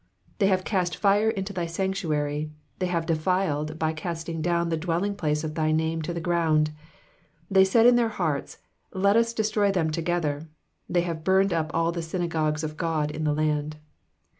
7 They have cast fire into thy sanctuary, they have defiled by casting down the dwelling place of thy name to the ground. 8 They said in their hearts. Let us destroy them together : they have burned up all the synagogues of God in the land.